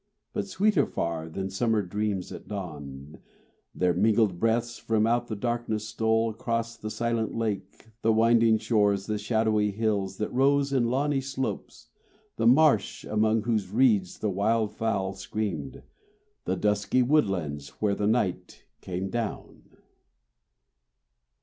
But sweeter far than summer dreams at dawn, Their mingled breaths from out the darkness stole, Across the silent lake, the winding shores, The shadowy hills that rose in lawny slopes, The marsh among whose reeds the wild fowl screamed, And dusky woodlands where the night came down.